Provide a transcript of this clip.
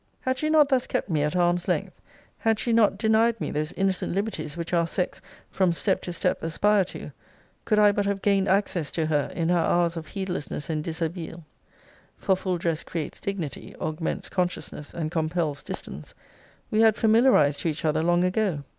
Had she not thus kept me at arms length; had she not denied me those innocent liberties which our sex, from step to step, aspire to; could I but have gained access to her in her hours of heedlessness and dishabille, [for full dress creates dignity, augments consciousness, and compels distance;] we had familiarized to each other long ago.